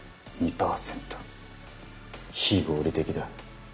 非合理的だ。